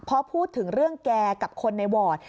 พอพูดถึงเรื่องแกกับคนในวอร์ด